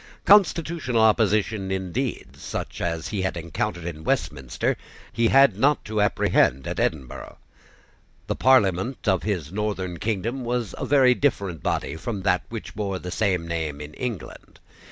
Constitutional opposition, indeed, such as he had encountered at Westminster, he had not to apprehend at Edinburgh. The Parliament of his northern kingdom was a very different body from that which bore the same name in England.